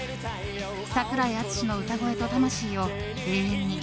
櫻井敦司の歌声と魂よ永遠に。